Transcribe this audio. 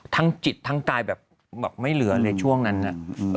ทั้งจิตทั้งกายแบบบอกไม่เหลือเลยช่วงนั้นน่ะ